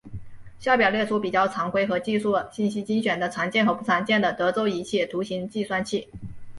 下表列出比较常规和技术信息精选的常见和不常见的德州仪器图形计算器。